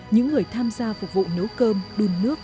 những người tham gia phục vụ nấu cơm đun nước